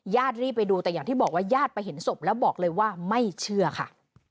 รีบไปดูแต่อย่างที่บอกว่าญาติไปเห็นศพแล้วบอกเลยว่าไม่เชื่อค่ะ